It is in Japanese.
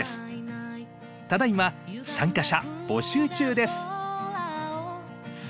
ただいま参加者募集中です。